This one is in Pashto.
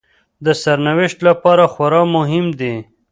د سرنوشت لپاره خورا مهم دي